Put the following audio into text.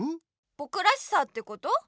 ぼくらしさってこと？